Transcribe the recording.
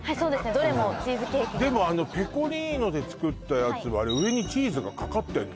どれもチーズケーキになりますでもあのペコリーノで作ったやつはあれ上にチーズがかかってんの？